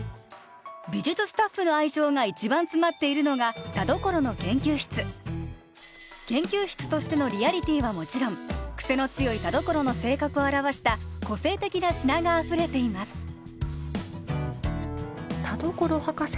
美術スタッフの愛情が一番詰まっているのが研究室としてのリアリティはもちろんクセの強い田所の性格を表した個性的な品があふれています田所博士